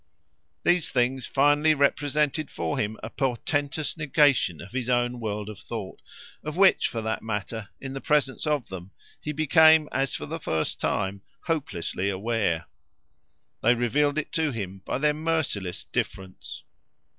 These things finally represented for him a portentous negation of his own world of thought of which, for that matter, in presence of them, he became as for the first time hopelessly aware. They revealed it to him by their merciless difference.